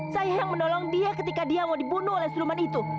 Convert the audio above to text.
saya yang menolong dia ketika dia mau dibunuh oleh suduman itu